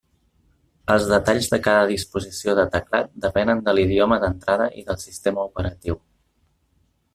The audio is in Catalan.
Els detalls de cada disposició de teclat depenen de l'idioma d'entrada i del sistema operatiu.